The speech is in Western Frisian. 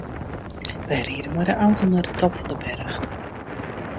Wy ride mei de auto nei de top fan de berch.